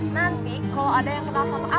nanti kalau ada yang kenal sama aku gimana